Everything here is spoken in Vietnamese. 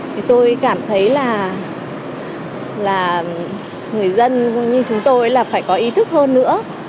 thì tôi cảm thấy là người dân như chúng tôi là phải có ý thức hơn nữa